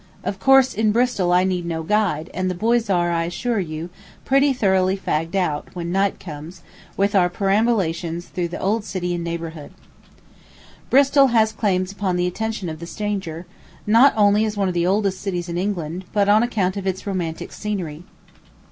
Of course, in Bristol I need no guide; and the boys are, I assure you, pretty thoroughly fagged out, when night comes, with our perambulations through the old city and neighborhood. Bristol has claims upon the attention of the stranger, not only as one of the oldest cities in England, but on account of its romantic scenery.